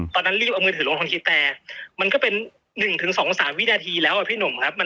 ตอนนั้นรีบเอามือถือลงคลองชีแต่มันก็เป็น๑๒๓วินาทีแล้วอะพี่หนุ่มครับ